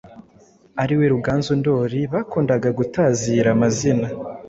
ariwe Ruganzu Ndoli , bakundaga gutazira amazina